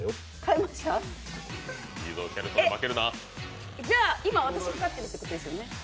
えっ、じゃあ今、私が勝ってるっていうことですよね？